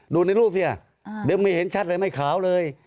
ดูในรูปสิดึงมือเห็นชัดเลยไม่ขาวเลย